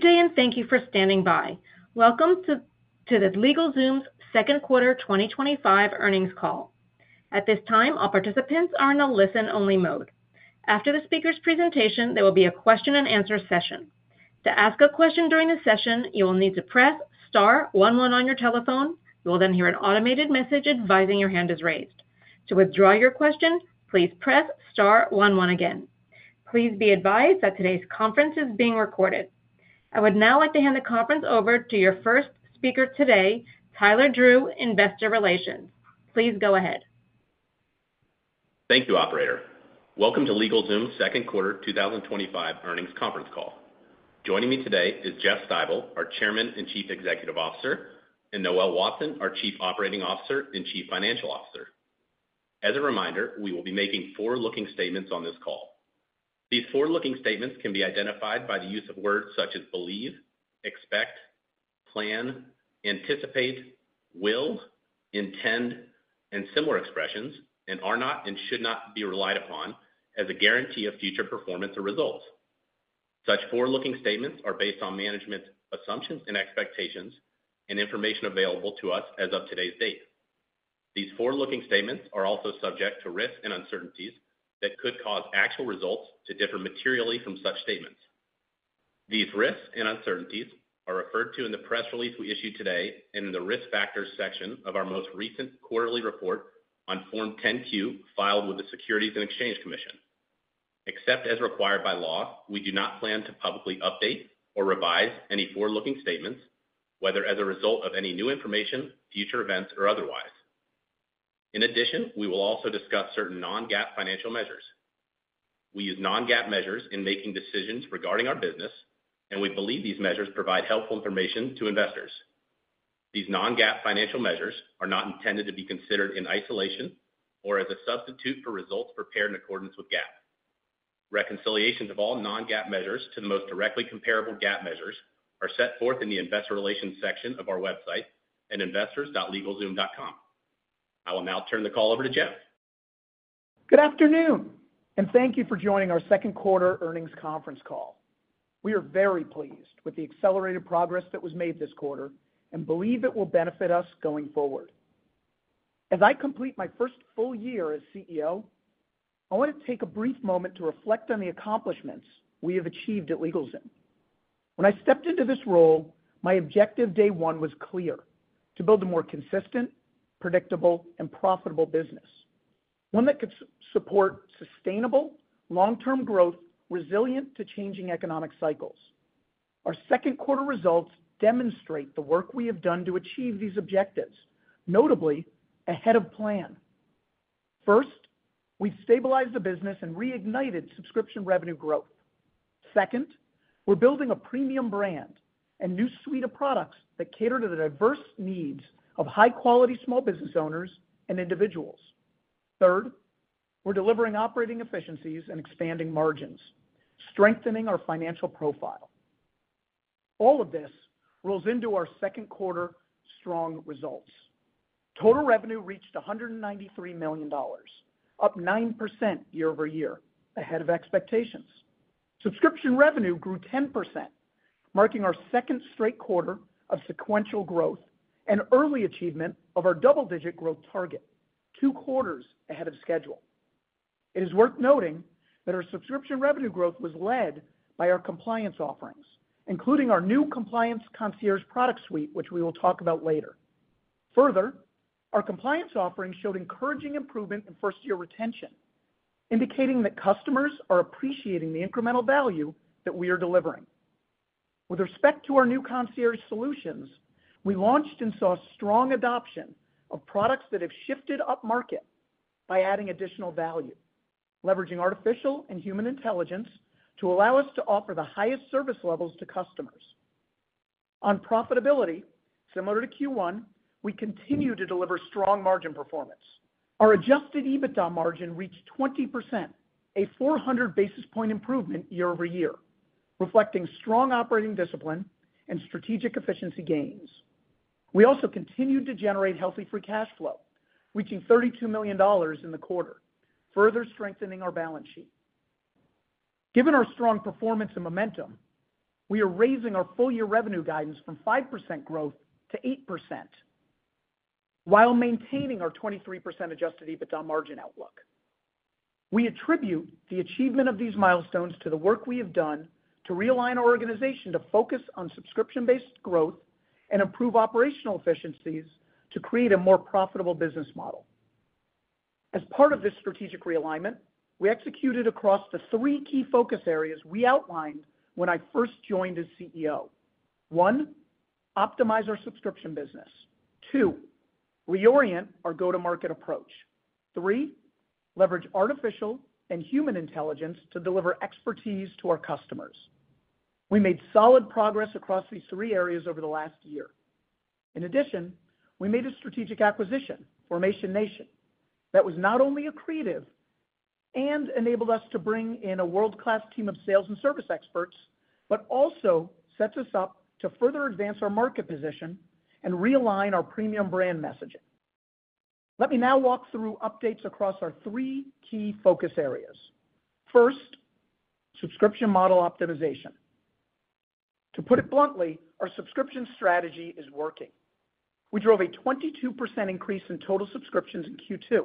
Good day and thank you for standing by. Welcome to LegalZoom's Second Quarter 2025 Earnings Call. At this time, all participants are in a listen-only mode. After the speaker's presentation, there will be a question and answer session. To ask a question during the session, you will need to press star one one on your telephone. You will then hear an automated message advising your hand is raised. To withdraw your question, please press star one one again. Please be advised that today's conference is being recorded. I would now like to hand the conference over to your first speaker today, Tyler Drew, investor relations. Please go ahead. Thank you, operator. Welcome to LegalZoom Second Quarter 2025 Earnings Conference Call. Joining me today is Jeff Stibel, our Chairman and Chief Executive Officer, and Noel Watson, our Chief Operating Officer and Chief Financial Officer. As a reminder, we will be making forward-looking statements on this call. These forward-looking statements can be identified by the use of words such as believe, expect, plan, anticipate, will, intend, and similar expressions and are not and should not be relied upon as a guarantee of future performance or results. Such forward-looking statements are based on management's assumptions and expectations and information available to us as of today's date. These forward-looking statements are also subject to risks and uncertainties that could cause actual results to differ materially from such statements. These risks and uncertainties are referred to in the press release we issued today and in the risk factors section of our most recent quarterly report on Form 10-Q filed with the Securities and Exchange Commission. Except as required by law, we do not plan to publicly update or revise any forward-looking statements whether as a result of any new information, future events, or otherwise. In addition, we will also discuss certain non-GAAP financial measures. We use non-GAAP measures in making decisions regarding our business, and we believe these measures provide helpful information to investors. These non-GAAP financial measures are not intended to be considered in isolation or as a substitute for results prepared in accordance with GAAP. Reconciliations of all non-GAAP measures to the most directly comparable GAAP measures are set forth in the investor relations section of our website at investors.legalzoom.com. I will now turn the call over to Jeff. Good afternoon and thank you for joining our second quarter earnings conference call. We are very pleased with the accelerated progress that was made this quarter and believe it will benefit us going forward. As I complete my first full year as CEO, I want to take a brief moment to reflect on the accomplishments we have achieved at LegalZoom. When I stepped into this role, my objective day one was clear: to build a more consistent, predictable, and profitable business, one that could support sustainable long term growth resilient to changing economic cycles. Our second quarter results demonstrate the work we have done to achieve these objectives, notably ahead of plan. First, we've stabilized the business and reignited subscription revenue growth. Second, we're building a premium brand and new suite of products that cater to the diverse needs of high quality small business owners and individuals. Third, we're delivering operating efficiencies and expanding margins, strengthening our financial profile. All of this rolls into our second quarter strong results. Total revenue reached $193 million, up 9% year-over-year ahead of expectations. Subscription revenue grew 10%, marking our second straight quarter of sequential growth and early achievement of our double digit growth target, two out of four ahead of schedule. It is worth noting that our subscription revenue growth was led by our compliance offerings, including our new Compliance Concierge product suite, which we will talk about later. Further, our compliance offering showed encouraging improvement in first year retention, indicating that customers are appreciating the incremental value that we are delivering. With respect to our new concierge solutions, we launched and saw strong adoption of products that have shifted up market by adding additional value, leveraging artificial and human intelligence to allow us to offer the highest service levels to customers. On profitability, similar to Q1, we continue to deliver strong margin performance. Our adjusted EBITDA margin reached 20%, a 400 basis point improvement yea- over-year, reflecting strong operating discipline and strategic efficiency gains. We also continued to generate healthy free cash flow, reaching $32 million in the quarter, further strengthening our balance sheet. Given our strong performance and momentum, we are raising our full year revenue guidance from 5% growth to 8% while maintaining our 23% adjusted EBITDA margin outlook. We attribute the achievement of these milestones to the work we have done to realign our organization to focus on subscription-based growth and improve operational efficiencies to create a more profitable business model. As part of this strategic realignment, we executed across the three key focus areas we outlined when I first joined as CEO. One, optimize our subscription business. Two, reorient our go-to-market approach. Three, leverage artificial and human intelligence to deliver expertise to our customers. We made solid progress across these three areas over the last year. In addition, we made a strategic acquisition, Formation Nation, that was not only accretive and enabled us to bring in a world-class team of sales and service experts, but also sets us up to further advance our market position and realign our premium brand messaging. Let me now walk through updates across our three key focus areas. First, subscription model optimization. To put it bluntly, our subscription strategy is working. We drove a 22% increase in total subscriptions in Q2,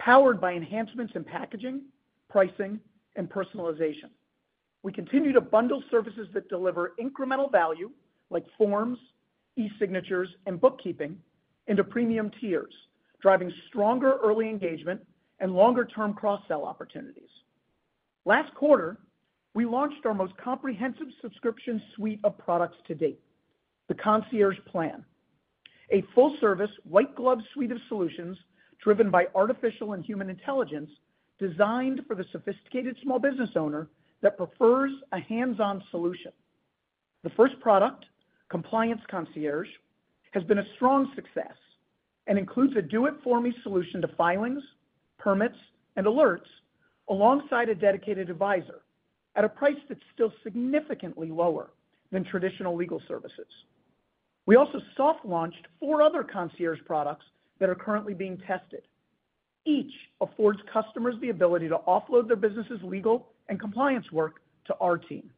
powered by enhancements in packaging, pricing, and personalization. We continue to bundle services that deliver incremental value like forms, e-signatures, and bookkeeping into premium tiers, driving stronger early engagement and longer-term cross-sell opportunities. Last quarter, we launched our most comprehensive subscription suite of products to date, the Concierge Plan, a full-service white glove suite of solutions driven by artificial and human intelligence designed for the sophisticated small business owner that prefers a hands-on solution. The first product, Compliance Concierge, has been a strong success and includes a Do-It-For-Me solution to filings, permits, and alerts alongside a dedicated advisor at a price that's still significantly lower than traditional legal services. We also soft launched four other concierge products that are currently being tested. Each affords customers the ability to offload their business's legal and compliance work to our team.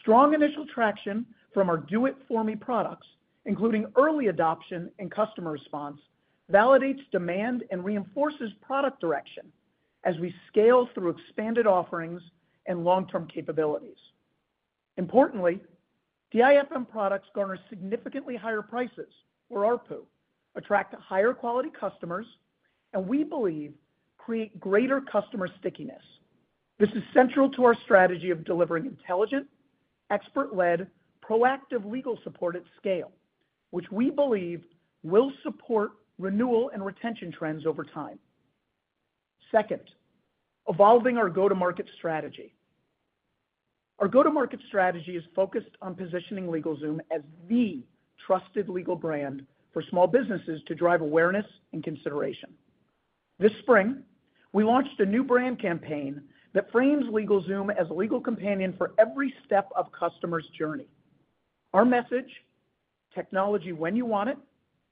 Strong initial traction from our Do-It-For-Me products, including early adoption and customer response, validates demand and reinforces product direction as we scale through expanded offerings and long-term capabilities. Importantly, DIFM products garner significantly higher prices for ARPU, attract higher quality customers, and we believe create greater customer stickiness. This is central to our strategy of delivering intelligent, expert-led, proactive legal support at scale, which we believe will support renewal and retention trends over time. Second, evolving our go-to-market strategy. Our go-to-market strategy is focused on positioning LegalZoom as the trusted legal brand for small businesses to drive awareness and consideration. This spring, we launched a new brand campaign that frames LegalZoom as a legal companion for every step of customers' journey. Our message, technology when you want it,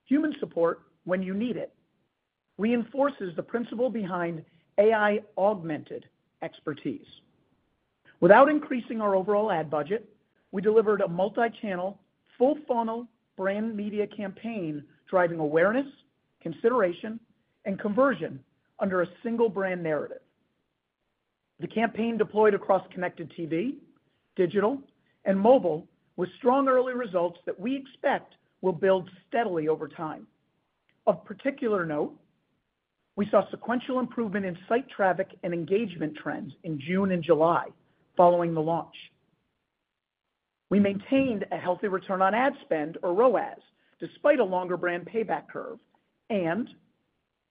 human support when you need it, reinforces the principle behind AI-augmented expertise without increasing our overall ad budget. We delivered a multi-channel, full-funnel brand media campaign driving awareness, consideration, and conversion under a single brand narrative. The campaign deployed across connected TV, digital, and mobile with strong early results that we expect will build steadily over time. Of particular note, we saw sequential improvement in site traffic and engagement trends in June and July following the launch. We maintained a healthy return on ad spend, or ROAS, despite a longer brand payback curve, and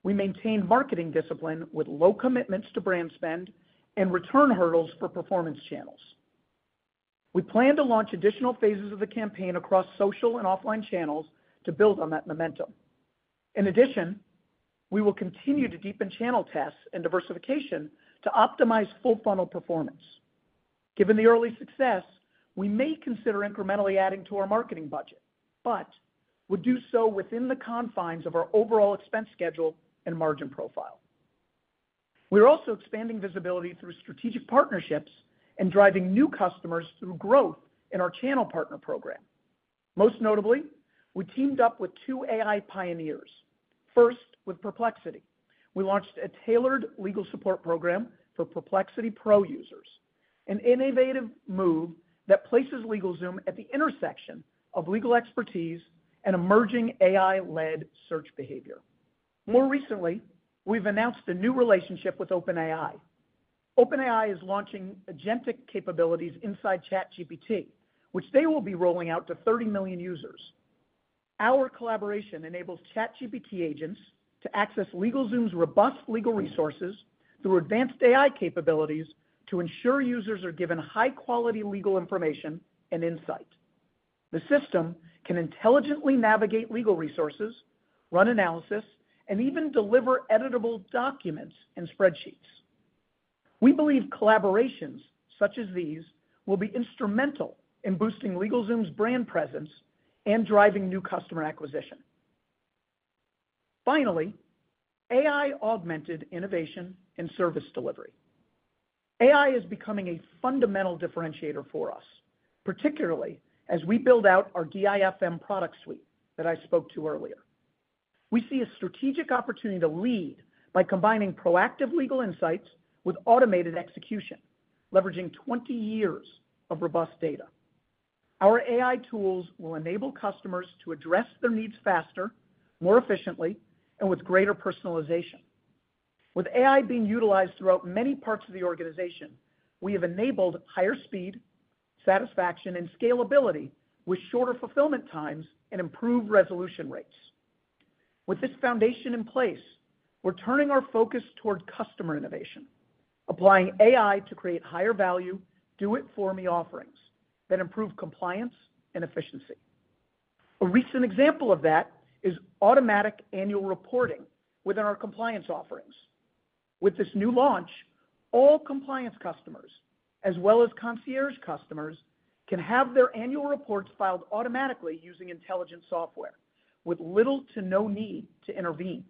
we maintained marketing discipline with low commitments to brand spend and return hurdles for performance channels. We plan to launch additional phases of the campaign across social and offline channels to build on that momentum. In addition, we will continue to deepen channel tasks and diversification to optimize full-funnel performance. Given the early success, we may consider incrementally adding to our marketing budget, but would do so within the confines of our overall expense schedule and margin profile. We're also expanding visibility through strategic partnerships and driving new customers through growth in our Channel Partner Program. Most notably, we teamed up with two AI pioneers. First, with Perplexity, we launched a tailored legal support program for Perplexity Pro users, an innovative move that places LegalZoom at the intersection of legal expertise and emerging AI-led search behavior. More recently, we've announced a new relationship with OpenAI. OpenAI is launching agentic capabilities inside ChatGPT, which they will be rolling out to 30 million users. Our collaboration enables ChatGPT agents to access LegalZoom robust legal resources through advanced AI capabilities to ensure users are given high-quality legal information and insight. The system can intelligently navigate legal resources, run analysis, and even deliver editable documents and spreadsheets. We believe collaborations such as these will be instrumental in boosting LegalZoom brand presence and driving new customer acquisition. Finally, AI-augmented innovation and Service Delivery. AI is becoming a fundamental differentiator for us, particularly as we build out our DIFM product suite that I spoke to earlier. We see a strategic opportunity to lead by combining proactive legal insights with automated execution. Leveraging 20 years of robust data, our AI tools will enable customers to address their needs faster, more efficiently, and with greater personalization. With AI being utilized throughout many parts of the organization, we have enabled higher speed, satisfaction, and scalability with shorter fulfillment times and improved resolution rates. With this foundation in place, we're turning our focus toward customer innovation, applying AI to create higher value Do-It-For-Me offerings that improve compliance and efficiency. A recent example of that is Automatic Annual Reporting within our compliance-related subscriptions. With this new launch, all compliance customers, as well as concierge customers, can have their annual reports filed automatically using intelligent software with little to no need to intervene.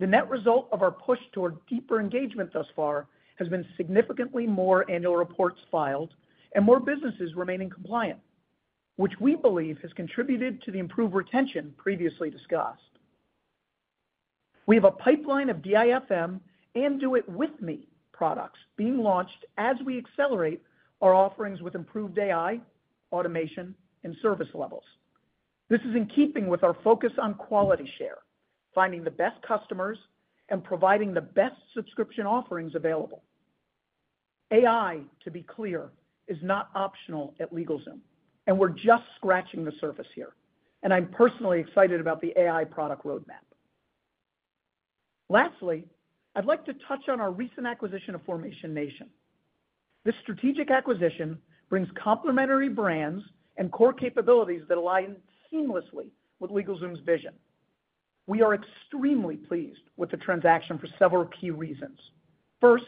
The net result of our push toward deeper engagement thus far has been significantly more annual reports filed and more businesses remaining compliant, which we believe has contributed to the improved retention previously discussed. We have a pipeline of DIFM and Do-It-With-Me products being launched as we accelerate our offerings with improved AI-driven automation and service levels This is in keeping with our focus on quality share, finding the best customers, and providing the best subscription offerings available. AI, to be clear, is not optional at LegalZoom and we're just scratching the surface here, and I'm personally excited about the AI product roadmap. Lastly, I'd like to touch on our recent acquisition of Formation Nation. This strategic acquisition brings complementary brands and core capabilities that align seamlessly with LegalZoom vision. We are extremely pleased with the transaction for several key reasons. First,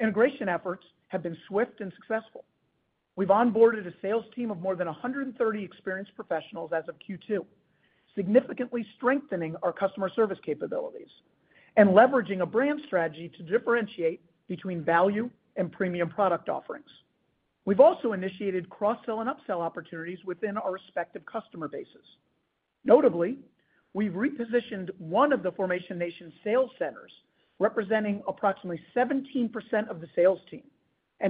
integration efforts have been swift and successful. We've onboarded a sales team of more than 130 experienced professionals as of Q2, significantly strengthening our customer service capabilities and leveraging a brand strategy to differentiate between value and premium product offerings. We've also initiated cross-sell and upsell opportunities within our respective customer bases. Notably, we've repositioned one of the Formation Nation sales centers representing approximately 17% of the sales team,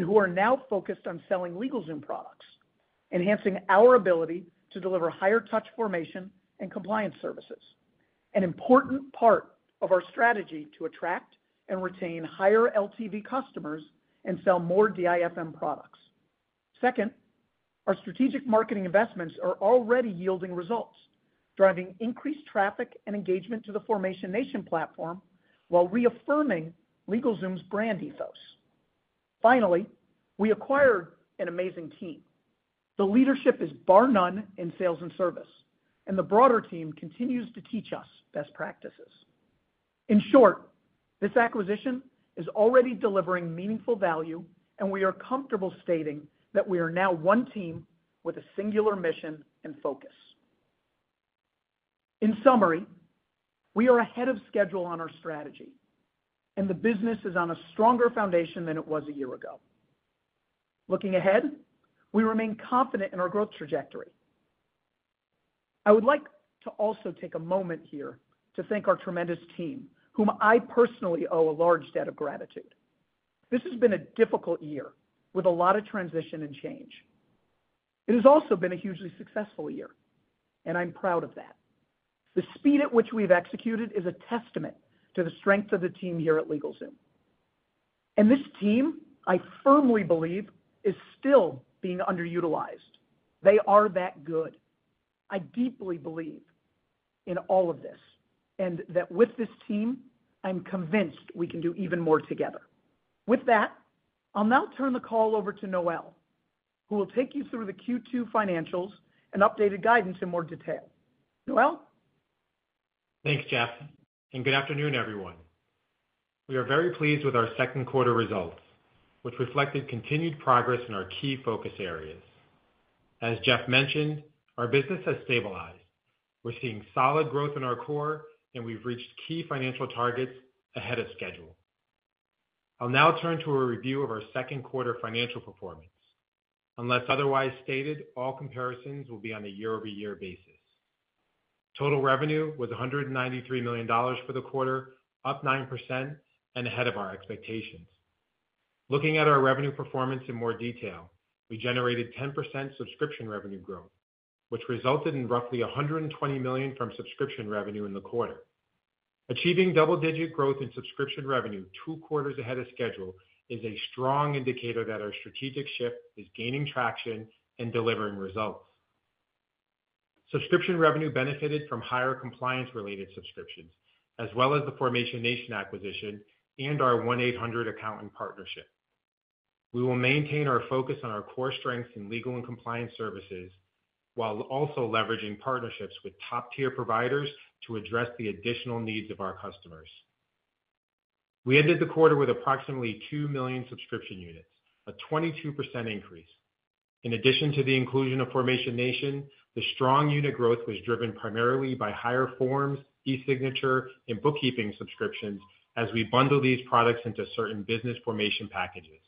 who are now focused on selling LegalZoom products, enhancing our ability to deliver higher-touch formation and compliance services, an important part of our strategy to attract and retain higher LTV customers and sell more DIFM products. Second, our strategic marketing investments are already yielding results, driving increased traffic and engagement to the Formation Nation platform while reaffirming LegalZoom's brand ethos. Finally, we acquired an amazing team. The leadership is, bar none, in sales and service, and the broader team continues to teach us best practices. In short, this acquisition is already delivering meaningful value and we are comfortable stating that we are now one team with a singular mission and focus. In summary, we are ahead of schedule on our strategy and the business is on a stronger foundation than it was a year ago. Looking ahead, we remain confident in our growth trajectory. I would like to also take a moment here to thank our tremendous team whom I personally owe a large debt of gratitude. This has been a difficult year with a lot of transition and change. It has also been a hugely successful year and I'm proud of that. The speed at which we've executed is a testament to the strength of the team here at LegalZoom and this team I firmly believe is still being underutilized. They are that good. I deeply believe in all of this and that with this team I'm convinced we can do even more together. With that, I'll now turn the call over to Noel, who will take you through the Q2 financials and updated guidance in more detail. Noel. Thanks Jeff, and good afternoon everyone. We are very pleased with our second quarter results, which reflected continued progress in our key focus areas. As Jeff mentioned, our business has stabilized. We're seeing solid growth in our core, and we've reached key financial targets ahead of schedule. I'll now turn to a review of our second quarter financial performance. Unless otherwise stated, all comparisons will be on a year-over-year basis. Total revenue was $193 million for the quarter, up 9% and ahead of our expectations. Looking at our revenue performance in more detail, we generated 10% subscription revenue growth, which resulted in roughly $120 million from subscription revenue in the quarter. Achieving double-digit growth in subscription revenue two quarters ahead of schedule is a strong indicator that our strategic shift is gaining traction and delivering results. Subscription revenue benefited from higher compliance-related subscriptions as well as the Formation Nation acquisition and our 1-800Accountant partnership. We will maintain our focus on our core strengths in legal and compliance services while also leveraging partnerships with top-tier providers to address the additional needs of our customers. We ended the quarter with approximately 2 million subscription units, a 22% increase. In addition to the inclusion of Formation Nation, the strong unit growth was driven primarily by higher forms, e-signature, and book keeping subscriptions. As we bundle these products into certain business formation packages,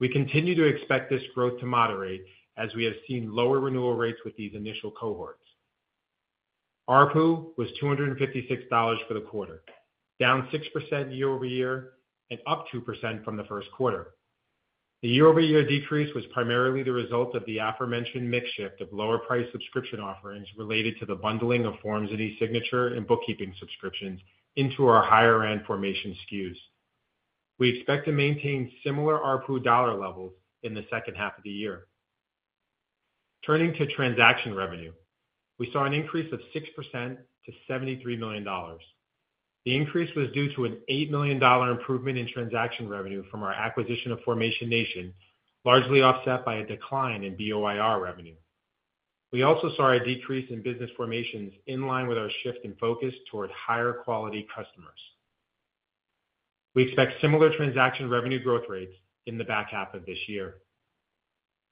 we continue to expect this growth to moderate as we have seen lower renewal rates with these initial cohorts. ARPU was $256 for the quarter, down 6% year-over-year and up 2% from the first quarter. The year-over-year decrease was primarily the result of the a fore mentioned mix shift of lower-priced subscription offerings related to the bundling of forms and e-signature and bookkeeping subscriptions into our higher-end formation SKUs. We expect to maintain similar ARPU dollar levels in the second half of the year. Turning to transaction revenue, we saw an increase of 6% to $73 million. The increase was due to an $8 million improvement in transaction revenue from our acquisition of Formation Nation, largely offset by a decline in BOIR revenue. We also saw a decrease in business formations in line with our shift in focus toward higher quality customers. We expect similar transaction revenue growth rates in the back half of this year.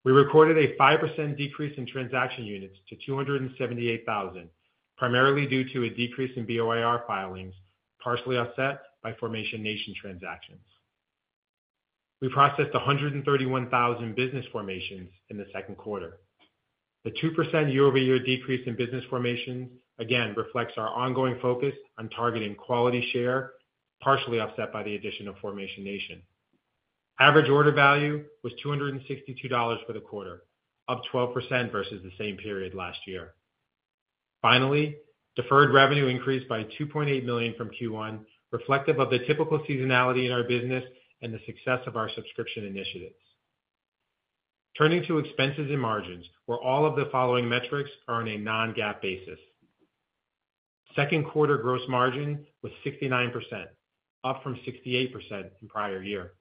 We recorded a 5% decrease in transaction units to 278,000, primarily due to a decrease in BOIR filings, partially offset by Formation Nation transactions. We processed 131,000 business formations in the second quarter. The 2% year over year decrease in business formation again reflects our ongoing focus on targeting quality share, partially offset by the addition of Formation Nation. Average order value was $262 for the quarter, up 12% versus the same period last year. Finally, deferred revenue increased by $2.8 million from Q1, reflective of the typical seasonality in our business and the success of our subscription initiatives. Turning to expenses and margins, where all of the following metrics are on a non-GAAP basis, second quarter gross margin was 69%, up from 68% in prior year.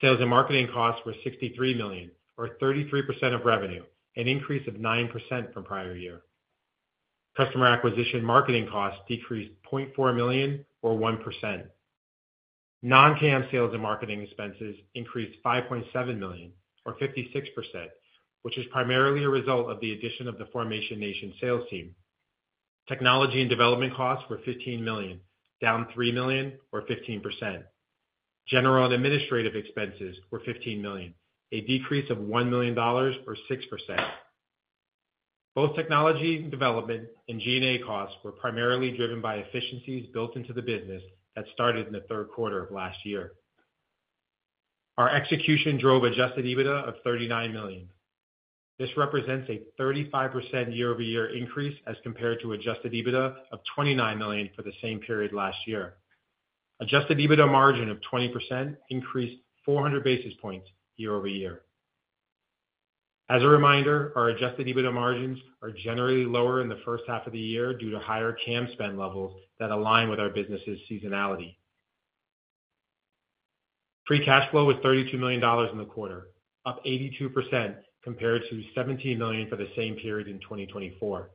Sales and marketing costs were $63 million or 33% of revenue, an increase of 9% from prior year. Customer acquisition marketing costs decreased $0.4 million or 1%. Non-CAM sales and marketing expenses increased $5.7 million or 56%, which is primarily a result of the addition of the Formation Nation sales team. Technology and development costs were $15 million, down $3 million or 15%. General and administrative expenses were $15 million, a decrease of $1 million or 6%. Both technology development and G&A cost were primarily driven by efficiencies built into the business that started in the third quarter of last year. Our execution drove adjusted EBITDA of $39 million. This represents a 35% year-over-year increase as compared to adjusted EBITDA of $29 million for the same period last year. Adjusted EBITDA margin of 20% increased 400 basis points year over year. As a reminder, our adjusted EBITDA margins are generally lower in the first half of the year due to higher CAM spend levels that align with our business's seasonality. Free cash flow was $32 million in the quarter, up 82% compared to $17 million for the same period in 2024.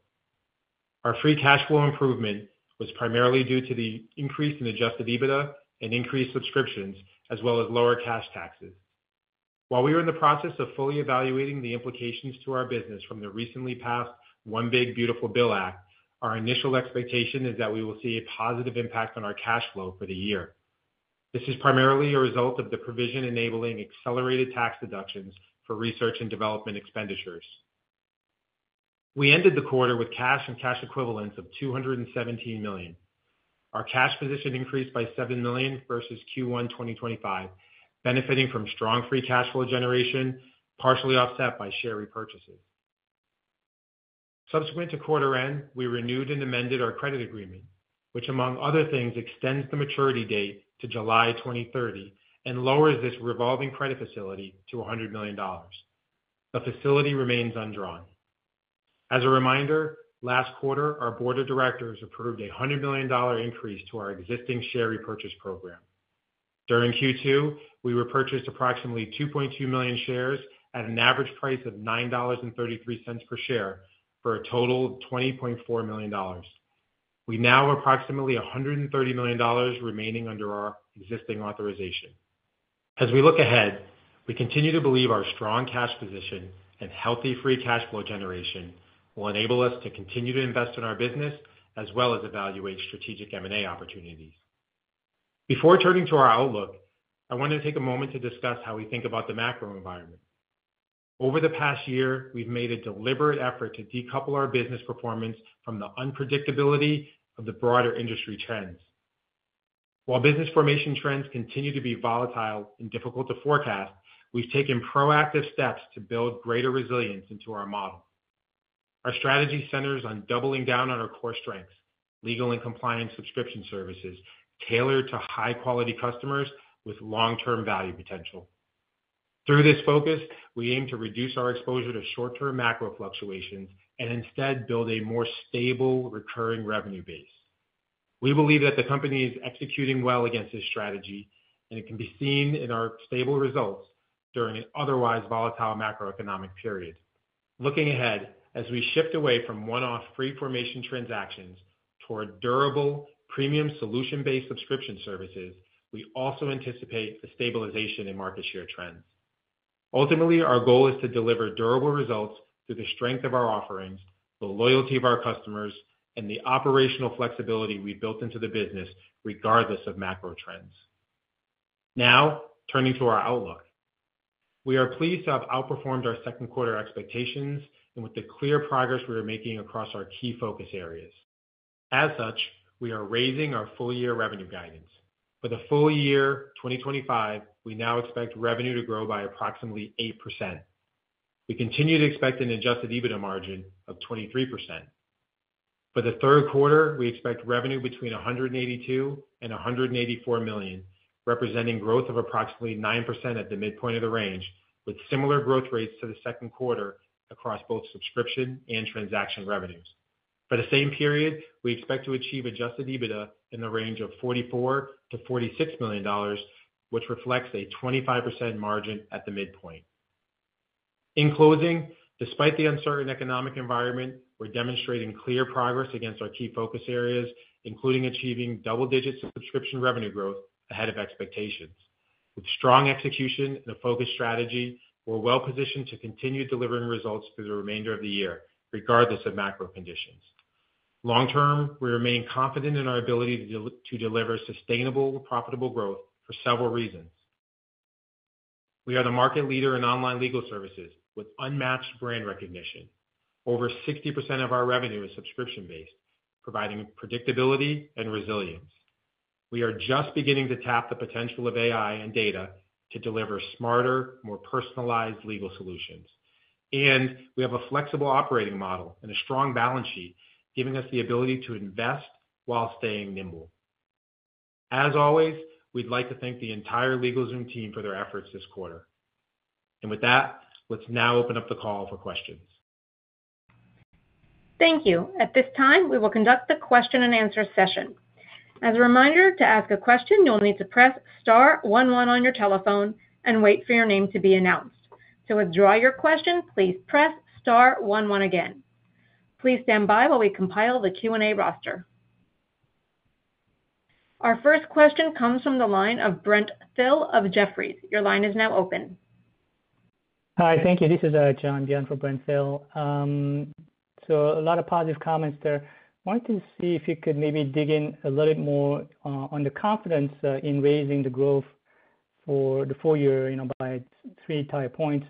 Our free cash flow improvement was primarily due to the increase in adjusted EBITDA and increased subscriptions as well as lower cash taxes. While we are in the process of fully evaluating the implications to our business from the recently passed One Big Beautiful Bill act, our initial expectation is that we will see a positive impact on our cash flow for the year. This is primarily a result of the provision enabling accelerated tax deductions for research and development expenditures. We ended the quarter with cash and cash equivalents of $217 million. Our cash position increased by $7 million versus Q1 2025, benefiting from strong free cash flow generation, partially offset by share repurchases. Subsequent to quarter end, we renewed and amended our credit agreement, which, among other things, extends the maturity date to July 2030 and lowers this revolving credit facility to $100 million. The facility remains undrawn. As a reminder, last quarter our Board of Directors approved a $100 million increase to our existing share repurchase program. During Q2, we repurchased approximately 2.2 million shares at an average price of $9.33 per share, for a total of $20.4 million. We now have approximately $130 million remaining under our existing authorization. As we look ahead, we continue to believe our strong cash position and healthy free cash flow generation will enable us to continue to invest in our business as well as evaluate strategic M&A opportunity. Before turning to our outlook, I wanted to take a moment to discuss how we think about the macro environment. Over the past year, we've made a deliberate effort to decouple our business performance from the unpredictability of the broader industry trends. While business formation trends continue to be volatile and difficult to forecast, we've taken proactive steps to build greater resilience into our model. Our strategy centers on doubling down on our core strengths: legal and compliance subscription services tailored to high quality customers with long term value potential. Through this focus, we aim to reduce our exposure to short term macro fluctuations and instead build a more stable recurring revenue base. We believe that the company is executing well against this strategy, and it can be seen in our stable results during an otherwise volatile macroeconomic period. Looking ahead, as we shift away from one-off free formation transactions toward durable premium solution-based subscription services, we also anticipate a stabilization in market share trend. Ultimately, our goal is to deliver durable results through the strength of our offerings, the loyalty of our customers, and the operational flexibility we've built into the business regardless of macro trends. Now turning to our outlook, we are pleased to have outperformed our second quarter expectations and with the clear progress we are making across our key focus areas. As such, we are raising our full year revenue guidance. For the full year 2025, we now expect revenue to grow by approximately 8%. We continue to expect an adjusted EBITDA margin of 23%. For the third quarter, we expect revenue between $182 million and $184 million, representing growth of approximately 9% at the midpoint of the range, with similar growth rates to the second quarter across both subscription and transaction revenues. For the same period, we expect to achieve adjusted EBITDA in the range of $44 million-$46 million, which reflects a 25% margin at the midpoint. In closing, despite the uncertain economic environment, we're demonstrating clear progress against our key focus areas including achieving double-digit subscription revenue growth ahead of expectations. With strong execution and a focused strategy, we're well positioned to continue delivering results through the remainder of the year regardless of macro conditions. Long term, we remain confident in our ability to deliver sustainable, profitable growth for several reasons. We are the market leader in online legal services with unmatched brand recognition. Over 60% of our revenue is subscription based, providing predictability and resilience. We are just beginning to tap the potential of AI and data to deliver smarter, more personalized legal solutions, and we have a flexible operating model and a strong balance sheet giving us the ability to invest while staying nimble. As always, we'd like to thank the entire LegalZoom team for their efforts this quarter. With that, let's now open up the call for questions. Thank you. At this time, we will conduct the question and answer session. As a reminder, to ask a question, you'll need to press Star 11 on your telephone and wait for your name to be announced. To withdraw your question, please press Star 11 again. Please stand by while we compile the Q and A roster. Our first question comes from the line of Brent Thill of Jefferies. Your line is now open. Hi. Thank you. This is John Bian for Brent Thill. A lot of positive comments there. Wanted to see if you could maybe dig in a little bit more on the confidence in raising the growth for the full year, you know, by three tier points.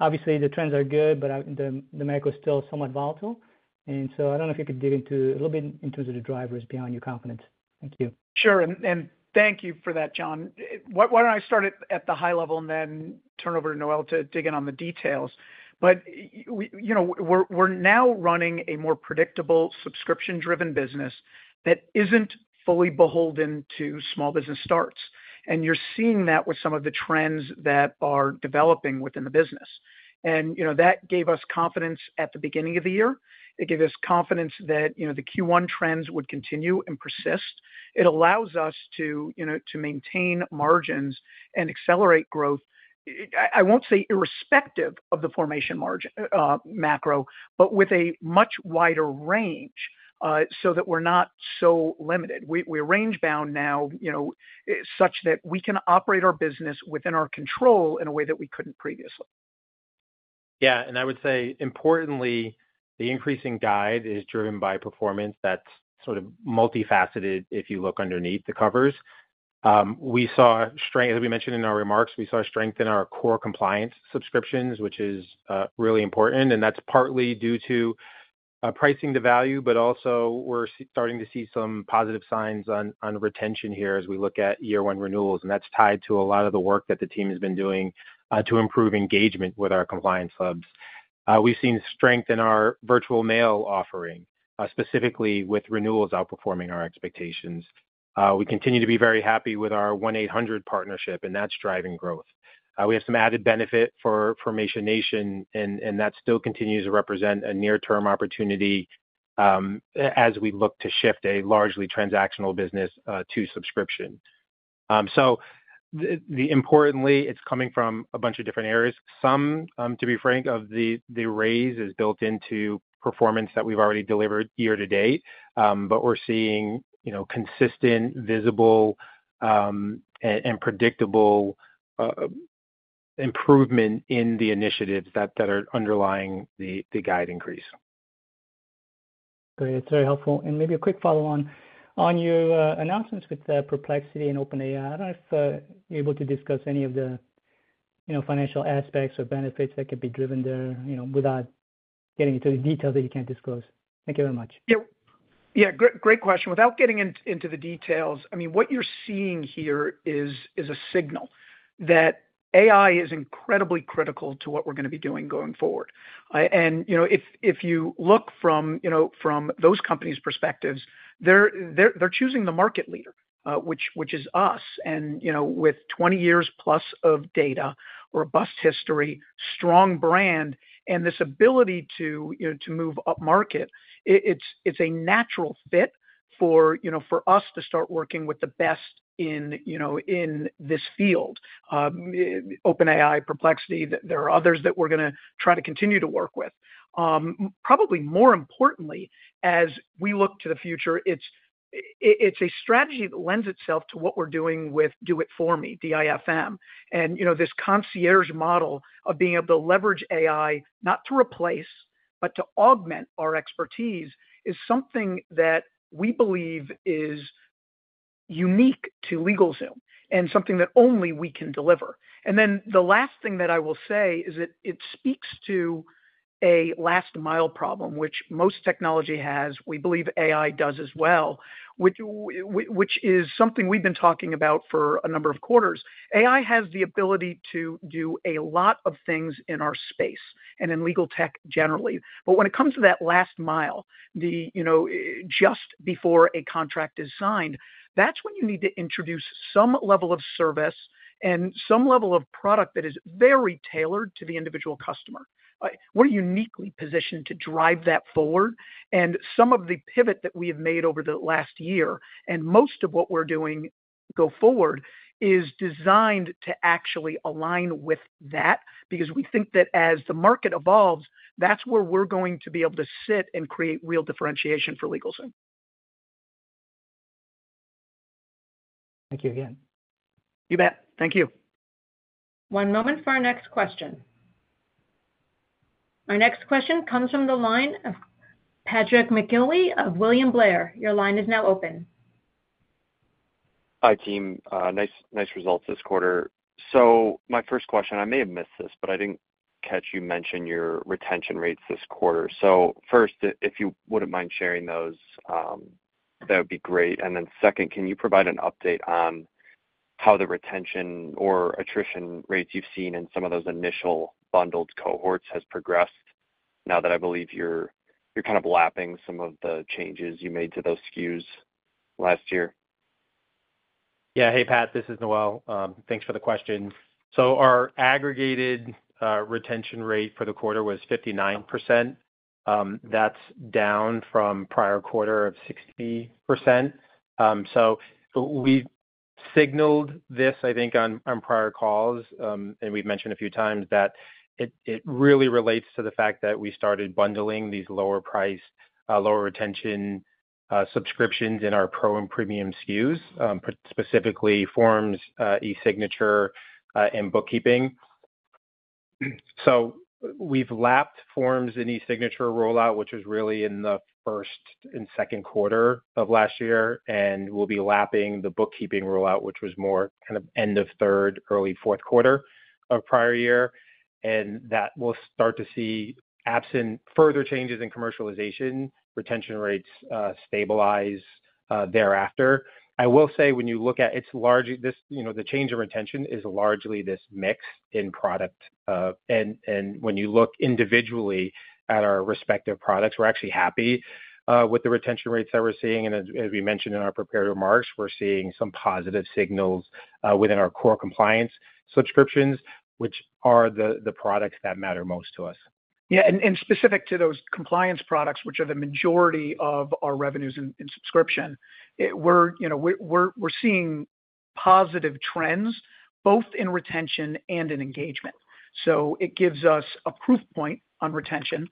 Obviously the trends are good, but the macro is still somewhat volatile. I don't know if you could dig into a little bit in terms of the drivers behind your confidence. Thank you. Sure. Thank you for that, John. Why don't I start at the high level and then turn over to Noel to dig in on the details. We're now running a more predictable subscription-driven business that isn't fully beholden to small business starts. You're seeing that with some of the trends that are developing within the business. That gave us confidence at the beginning of the year. It gave us confidence that the Q1 trends would continue and persist. It allows us to maintain margins and accelerate growth. I won't say irrespective of the formation margin macro, but with a much wider range so that we're not so limited. We're range bound now, you know, such that we can operate our business within our control in a way that we couldn't previously. Yeah. I would say importantly, the increasing guide is driven by performance that's sort of multifaceted. If you look underneath the covers, we saw strength. We mentioned in our remarks we saw strength in our core compliance-related subscriptions, which is really important. That's partly due to pricing to value, but also we're starting to see some positive signs on retention here as we look at year one renewals, and that's tied to a lot of the work that the team has been doing to improve engagement with our compliance hubs. We've seen strength in our virtual mail subscriptions, specifically with renewals outperforming our expectations. We continue to be very happy with our 1,800 partnership, and that's driving growth. We have some added benefit from Formation Nation, and that still continues to represent a near-term opportunity as we look to shift a largely transactional business to subscription. Importantly, it's coming from a bunch of different areas. Some, to be frank, of the raise is built into performance that we've already delivered year to date. We're seeing consistent, visible, and predictable improvement in the initiatives that are underlying the guide increase. Great. It's very helpful. Maybe a quick follow on your announcements with Perplexity and OpenAI. I don't know if you're able to discuss any of the financial aspects or benefits that could be driven there, without getting into the details that you can't disclose. Thank you very much. Yeah, great question. Without getting into the details, what you're seeing here is a signal that AI is incredibly critical to what we're going to be doing going forward. If you look from those companies' perspectives, they're choosing the market leader, which is us. With 20 years plus of data, robust history, strong brand, and this ability to move upmarket, it's a natural fit for us to start working with the best in this field. OpenAI, Perplexity, there are others that we're going to try to continue to work with. Probably more importantly, as we look to the future, it's a strategy that lends itself to what we're doing with Do-It-For-Me (DIFM) and this concierge model of being able to leverage AI, not to replace, but to augment our expertise, is something that we believe is unique to LegalZoom and something that only we can deliver. The last thing that I will say is that it speaks to a last mile problem, which most technology has. We believe AI does as well, which is something we've been talking about for a number of quarters. AI has the ability to do a lot of things in our space and in legal tech generally. When it comes to that last mile, just before a contract is signed, that's when you need to introduce some level of service and some level of product that is very tailored to the individual customer. We're uniquely positioned to drive that forward. Some of the pivot that we have made over the last year and most of what we're doing going forward is designed to actually align with that because we think that as the market evolves, that's where we're going to be able to sit and create real differentiation for LegalZoom. Thank you again. You bet. Thank you. One moment for our next question. Our next question comes from the line of Patrick McIlwee of William Blair. Your line is now open. Hi team. Nice, nice results this quarter. My first question, I may have missed this, but I didn't catch you mention your retention rates this quarter. If you wouldn't mind sharing those, that would be great. Can you provide an update on how the retention or attrition rates you've seen in some of those initial bundled cohorts has progressed now that I believe you're kind of lapping some of the changes you made to those SKUs last year? Yeah. Hey Pat, this is Noel. Thanks for the question. Our aggregated retention rate for the quarter was 59%. That's down from prior quarter of 60%. We signaled this, I think on prior calls and we've mentioned a few times that it really relates to the fact that we started bundling these lower price, lower retention subscriptions in our Pro and premium SKUs, specifically forms, e-signature and bookkeeping. We've lapped Forms and E Signature rollout, which is really in the first and second quarter of last year. We'll be lapping the bookkeeping rollout, which was more kind of end of third, early fourth quarter of prior year. That will start to see, absent further changes in commercialization, retention rates stabilize thereafter. I will say it's largely this, you know, the change of retention is largely this mix in product. When you look individually at our respective products, we're actually happy with the retention rates that we're seeing. As we mentioned in our prepared remarks, we're seeing some positive signals within our core compliance subscriptions, which are the products that matter most to us. Yeah. Specific to those compliance products, which are the majority of our revenues in subscription, we're seeing positive trends both in retention and in engagement. It gives us a proof point on retention,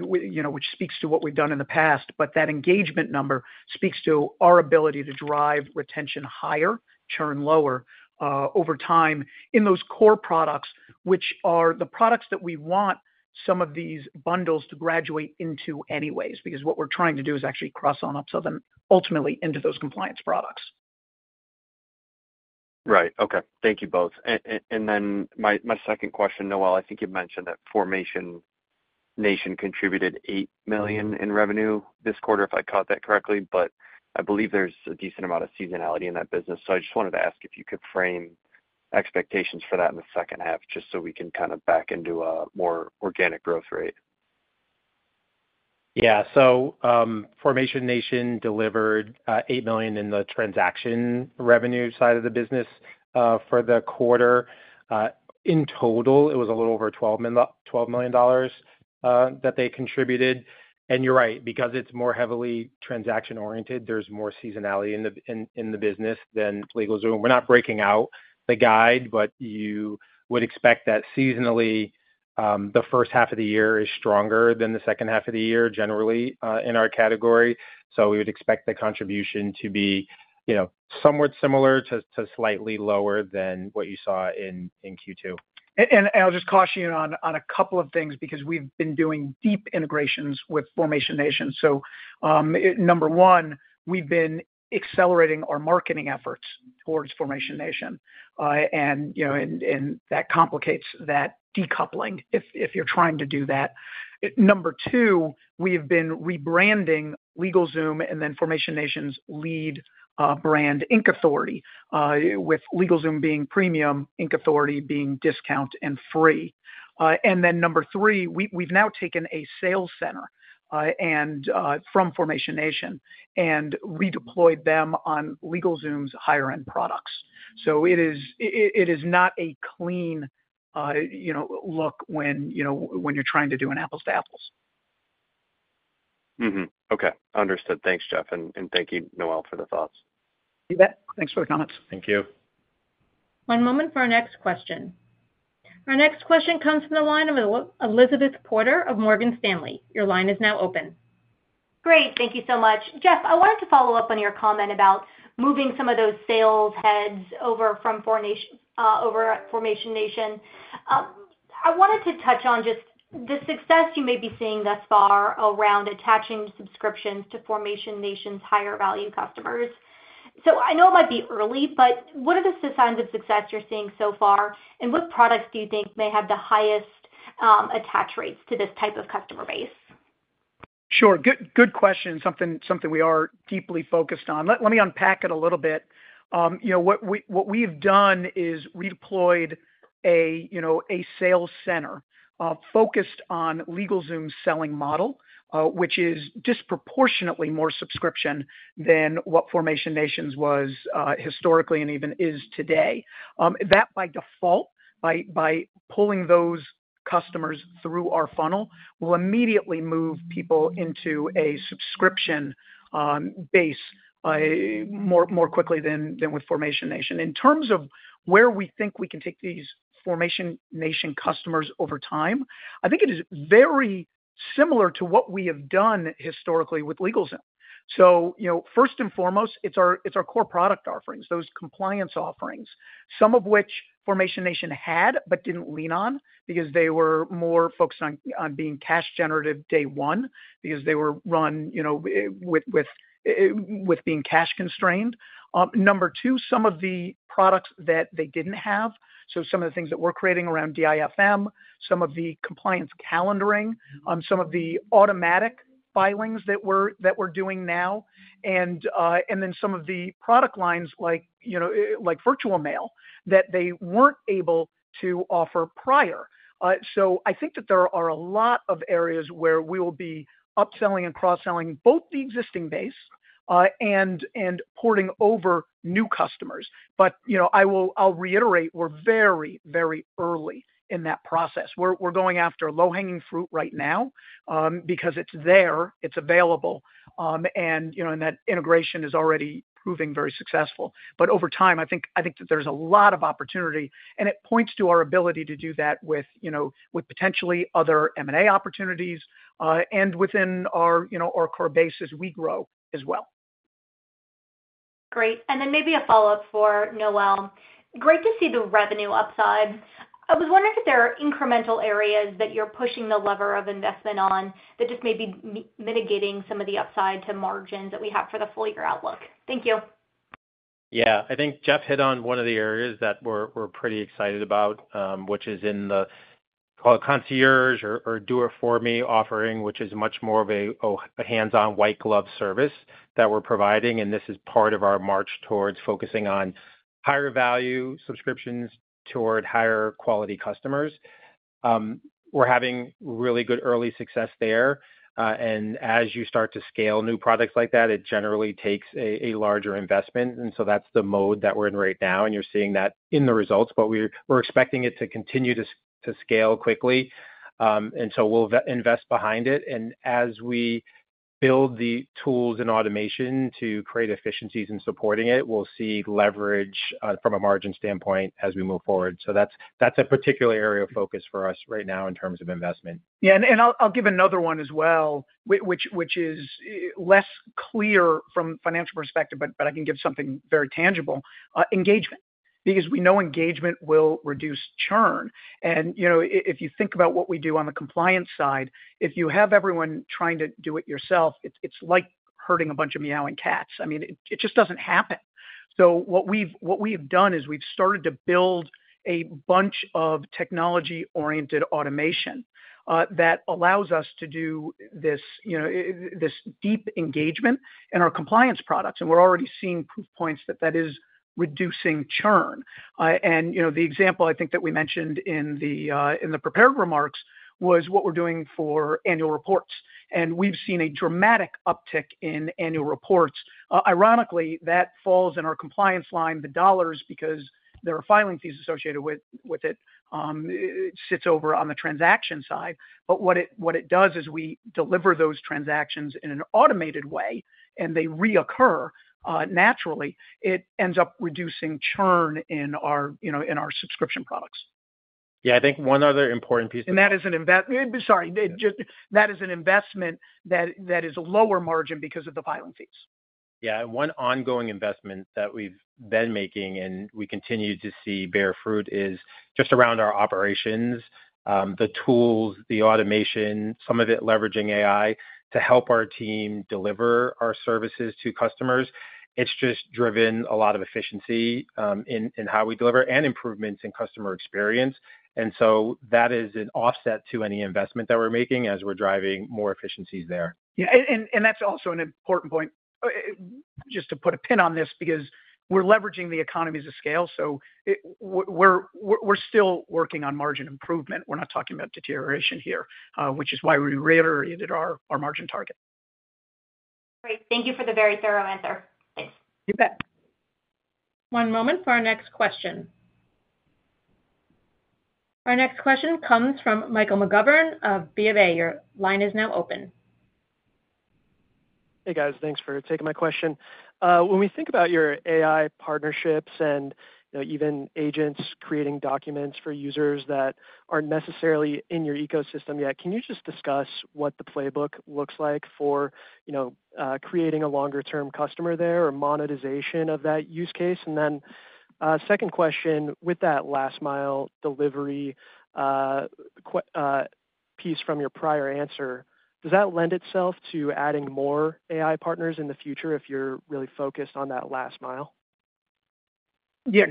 which speaks to what we've done in the past. That engagement number speaks to our ability to drive retention higher, churn lower over time in those core products, which are the products that we want some of these bundles to graduate into anyways, because what we're trying to do is actually cross on, upsell them ultimately into those compliance products. Right. Okay. Thank you both. Then my second question, Noel, I think you mentioned that Formation Nation contributed $8 million in revenue this quarter, if I caught that correctly. I believe there's a decent amount of seasonality in that business. I just wanted to ask if you could frame expectations for that in the second half just so we can kind of back into a more organic growth rate. Yeah. Formation Nation delivered $8 million in the transaction revenue side of the business for the quarter. In total, it was a little over $12 million that they contributed. You're right because it's more heavily transaction oriented. There's more seasonality in the business than LegalZoom. We're not breaking out the guide, but you would expect that seasonally the first half of the year is stronger than the second half of the year generally in our category. We would expect the contribution to be, you know, somewhat similar to slightly lower than what you saw in Q2. I'll just caution you on a couple of things because we've been doing deep integrations with Formation Nation. Number one, we've been accelerating our marketing efforts towards Formation Nation, and that complicates that decoupling if you're trying to do that. Number two, we have been rebranding LegalZoom and then Formation Nation's lead brand, Inc Authority, with LegalZoom being premium, Inc Authority being discount and free. Number three, we've now taken a sales center from Formation Nation and redeployed them on LegalZoom's higher end products. It is not a clean look when you're trying to do an apples to apples. Okay, understood. Thanks Jeff. Thank you, Noel, for the thoughts. You bet. Thanks for the comments. Thank you. One moment for our next question. Our next question comes from the line of Elizabeth Porter of Morgan Stanley. Your line is now open. Great. Thank you so much. Jeff, I wanted to follow up on your comment about moving some of those sales heads over from over at Formation Nation. I wanted to touch on just the success you may be seeing thus far around attaching subscriptions to Formation Nation's higher value customers. I know it might be early, but what are the signs of success you're seeing so far and what products do you think may have the highest attach rates to this type of customer base? Sure. Good question. Something we are deeply focused on. Let me unpack it a little bit. What we've done is redeployed a sales center focused on the LegalZoom selling model, which is disproportionately more subscription than what Formation Nation was historically and even is today. That, by default, by pulling those customers through our funnel, will immediately move people into a subscription base more quickly than with Formation Nation. In terms of where we think we can take these Formation Nation customers over time, I think it is very similar to what we have done historically with LegalZoom. First and foremost, it's our core product offerings, those compliance-related subscriptions, some of which Formation Nation had but didn't lean on because they were more focused on being cash generative day one, because they were run with being cash constrained. Number two, some of the products that they didn't have. Some of the things that we're creating around Do-It-For-Me (DIFM), some of the compliance calendaring, some of the automatic filings that we're doing now, and then some of the product lines like virtual mail subscriptions that they weren't able to offer prior. I think that there are a lot of areas where we will be upselling and cross-selling both the existing base and porting over new customers. I'll reiterate, we're very, very early in that process. We're going after low-hanging fruit right now because it's there, it's available, and that integration is already proving very successful. Over time, I think that there's a lot of opportunity, and it points to our ability to do that with potentially other M&A opportunities and within our core base as we grow as well. Great. Maybe a follow up for Noel. Great to see the revenue upside. I was wondering if there are incremental areas that you're pushing the lever of investment on that just may be mitigating some of the upside to margins that we have for the full year outlook. Thank you. Yeah, I think Jeff hit on one of the areas that we're pretty excited about, which is in the, call it, concierge or Do-It-For-Me offering, which is much more of a hands-on, white glove service that we're providing. This is part of our march towards focusing on higher value subscriptions, toward higher quality customers. We're having really good early success there. As you start to scale new products like that, it generally takes a larger investment. That's the mode that we're in right now, and you're seeing that in the results. We're expecting it to continue to scale quickly, and we'll invest behind it. As we build the tools and automation to create efficiencies in supporting it, we'll see leverage from a margin standpoint as we move forward. That's a particular area of focus for us right now in terms of investment. Yeah, and I'll give another one as well, which is less clear from a financial perspective. I can give something very tangible, engagement, because we know engagement will reduce churn and, you know, if you think about what we do on the compliance side, if you have everyone trying to do it yourself, it's like herding a bunch of meowing cats. I mean, it just doesn't happen. What we've done is we've started to build a bunch of technology-oriented automation that allows us to do this deep engagement in our compliance products. We're already seeing proof points that that is reducing churn. The example I think that we mentioned in the prepared remarks was what we're doing for annual reports. We've seen a dramatic uptick in annual reports. Ironically, that falls in our compliance line. The dollars, because there are filing fees associated with it, sit over on the transaction side. What it does is we deliver those transactions in an automated way and they reoccur naturally, it ends up reducing churn in our subscription products. Yeah, I think one other important piece. That is an investment that is a lower margin because of the filing fees. Yeah. One ongoing investment that we've been making and we continue to see bear fruit is just around our operations, the tools, the automation, some of it leveraging AI to help our team deliver our services to customers. It has driven a lot of efficiency in how we deliver and improvements in customer experience. That is an offset to any investment that we're making as we're driving more efficiencies there. Yeah, that's also an important point, just to put a pin on this, because we're leveraging the economies of scale. We're still working on margin improvement. We're not talking about deterioration here, which is why we reiterated our margin target. Great. Thank you for the very thorough answer. You bet. One moment for our next question. Our next question comes from Michael McGovern of BofA. Your line is now open. Hey guys, thanks for taking my question. When we think about your AI partnerships and even agents creating documents for users that aren't necessarily in your ecosystem yet, can you just discuss what the playbook looks like for, you know, creating a longer term customer there or monetization of that use case? My second question, with that last mile delivery piece from your prior answer, does that lend itself to adding more AI partners in the future if you're really focused on that last mile? Yeah,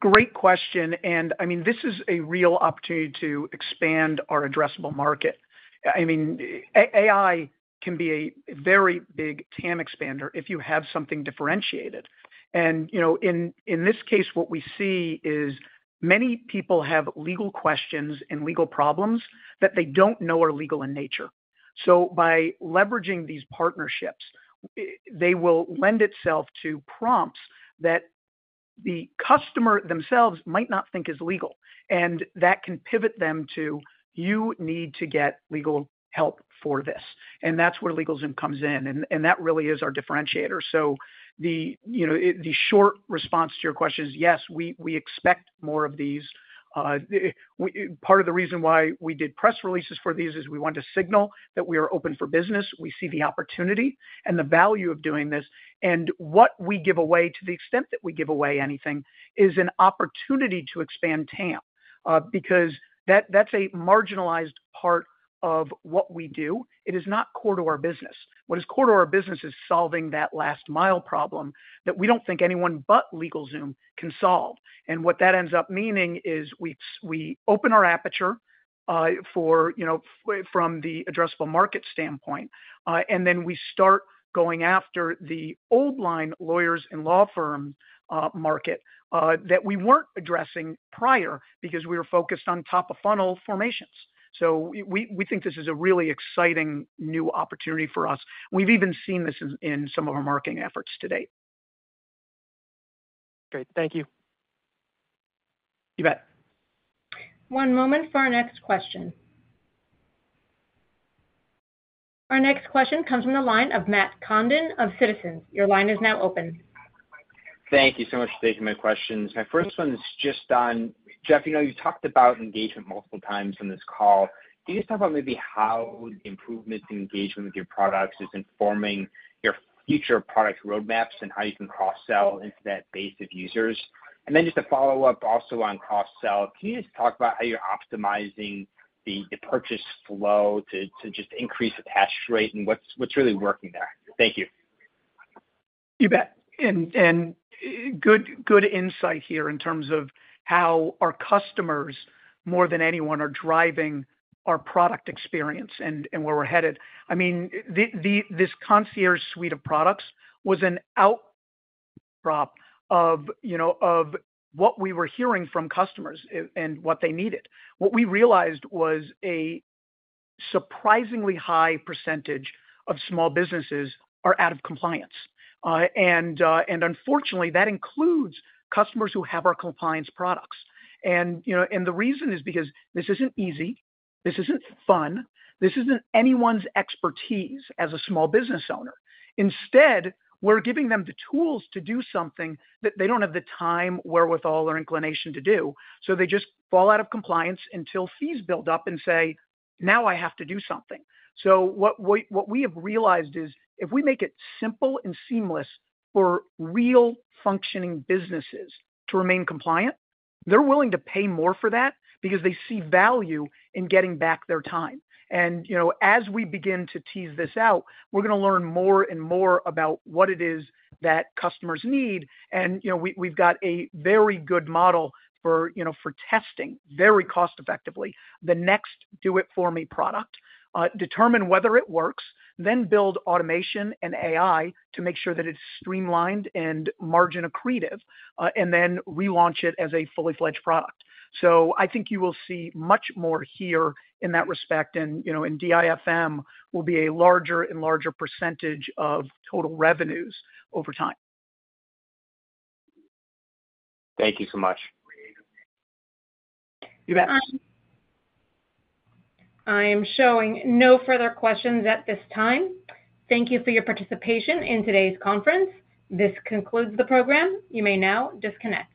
great question. This is a real opportunity to expand our addressable market. AI can be a very big TAM expander. If you have something differentiated, and in this case, what we see is many people have legal questions and legal problems that they don't know are legal in nature. By leveraging these partnerships, they will lend itself to prompts that the customer themselves might not think is legal. That can pivot them to, you need to get legal help for this. That's where LegalZoom comes in. That really is our differentiator. The short response to your question is, yes, we expect more of these. Part of the reason why we did press releases for these is we wanted to signal that we are open for business. We see the opportunity and the value of doing this. What we give away, to the extent that we give away anything, is an opportunity to expand TAM because that's a marginalized part of what we do. It is not core to our business. What is core to our business is solving that last mile problem that we don't think anyone but LegalZoom can solve. What that ends up meaning is we open our aperture from the addressable market standpoint, and then we start going after the old line lawyers and law firm market that we weren't addressing prior because we were focused on top of funnel formations. We think this is a really exciting new opportunity for us. We've even seen this in some of our marketing efforts to date. Great, thank you. You bet. One moment for our next question. Our next question comes from the line of Matthew Condon of Citizens. Your line is now open. Thank you so much for taking my questions. My first one is just on Jeff. You talked about engagement multiple times on this call. Can you just talk about maybe how improvement, engagement with your products is informing your future product roadmaps and how you can cross sell into that base of users? Also, on cross sell, can you just talk about how you're optimizing the purchase flow to just increase attach rate and what's really working there? Thank you. You bet. Good insight here in terms of how our customers, more than anyone, are driving our product experience and where we're headed. This concierge suite of products was an outdrop of what we were hearing from customers and what they needed. What we realized was a surprisingly high percentage of small businesses are out of compliance. Unfortunately, that includes customers who have our compliance products. The reason is because this isn't easy, this isn't fun, this isn't anyone's expertise as a small business owner. Instead, we're giving them the tools to do something that they don't have the time, wherewithal, or inclination to do. They just fall out of compliance until fees build up and say, now I have to do something. What we have realized is if we make it simple and seamless for real functioning businesses to remain compliant, they're willing to pay more for that because they see value in getting back their time. As we begin to tease this out, we're going to learn more and more about what it is that customers need. We've got a very good model for testing very cost effectively the next Do-It-For-Me product, determine whether it works, then build automation and AI to make sure that it's streamlined and margin accretive, and then relaunch it as a fully fledged product. I think you will see much more here in that respect, and DIFM will be a larger and larger percentage of total revenues over time. Thank you so much. You bet. I am showing no further questions at this time. Thank you for your participation in today's conference. This concludes the program. You may now disconnect.